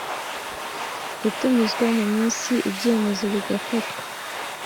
Itumizwa mu minsi ibyemezo bigafatwa